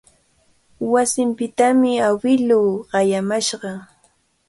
Wasinpitami awiluu qayamashqa.